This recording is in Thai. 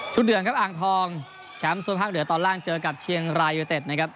เดือนครับอ่างทองแชมป์ส่วนภาคเหนือตอนล่างเจอกับเชียงรายยูเต็ดนะครับ